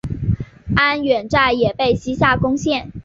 安远寨也被西夏攻陷。